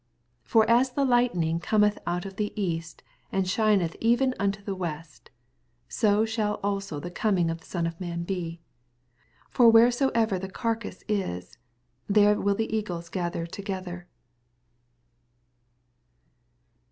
27 For as the lightning oometh out of the east, and shinetheven unto the west ; so shall also the ooming of the Son of man be. 28 For wheresoever the carcase ia, there will the eagles be gathered to gether.